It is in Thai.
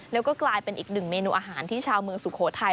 แล้วก็กลายเป็นอีกหนึ่งเมนูอาหารที่ชาวเมืองสุโขทัย